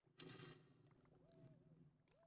现为五等站。